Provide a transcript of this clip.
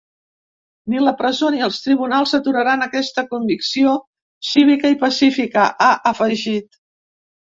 Ni la presó ni els tribunals aturaran aquesta convicció cívica i pacífica, ha afegit.